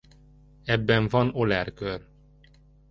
Ebben van Euler-kör.